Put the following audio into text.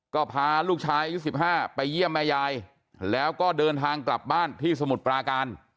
ก็พาลูกชายอายุ๑๕ไปเยี่ยมแม่ยายแล้วก็เดินทางกลับบ้านที่สมุทรปราการ